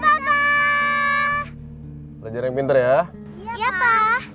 dadah papa belajar yang pintar ya iya pa